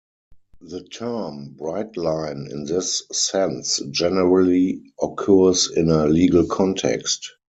The term "bright-line" in this sense generally occurs in a legal context.